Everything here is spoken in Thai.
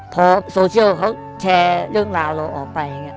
พอโซเชียลเขาแชร์เรื่องราวเราออกไป